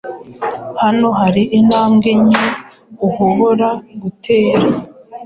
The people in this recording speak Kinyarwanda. Hano hari intambwe nke uhobora gutera